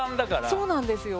そうなんですよ。